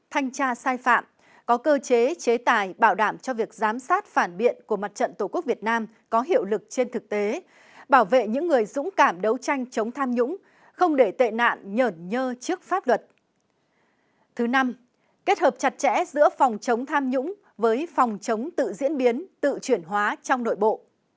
thứ năm kết hợp chặt chẽ giữa phòng chống tham nhũng với phòng chống tự diễn biến tự chuyển hóa trong nội bộ